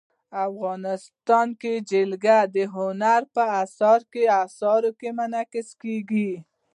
افغانستان کې جلګه د هنر په اثار کې منعکس کېږي.